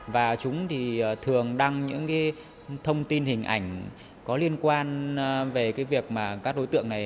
và chúng thì thường đăng những thông tin hình ảnh có liên quan về cái việc mà các đối tượng này